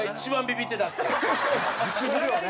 ビックリするよね。